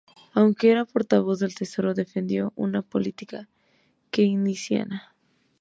Aunque era portavoz del Tesoro, defendió una política keynesiana.